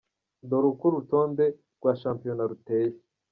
Dore uko urutonde rwa shampiyona ruteye :.